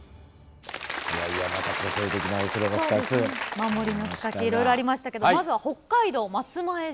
守りの仕掛けいろいろありましたけどまずは北海道松前城。